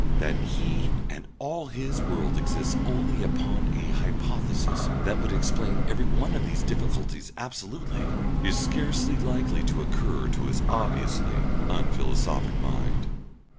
That he and all his world exists only upon a hypothesis that would explain everyone of these difficulties absolutely, is scarcely likely to occur to his obviously unphilosophic mind.